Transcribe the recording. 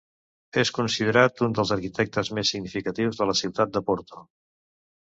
És considerat un dels arquitectes més significatius de la ciutat de Porto.